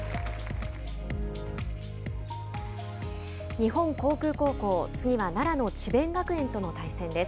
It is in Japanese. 日本航空高校次は奈良の智弁学園との対戦です。